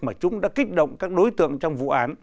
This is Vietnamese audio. mà chúng đã kích động các đối tượng trong vụ án